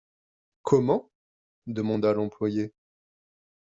Comment ? demanda l'employé.